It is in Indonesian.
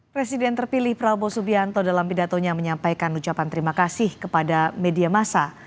presiden terpilih prabowo subianto dalam pidatonya menyampaikan ucapan terima kasih kepada media masa